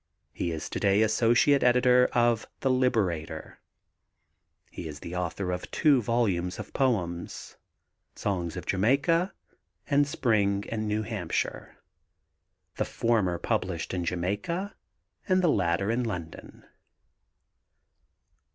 He is to day associate editor of The Liberator. He is the author of two volumes of poems, Songs of Jamaica and Spring in New Hampshire, the former published in Jamaica and the latter in London.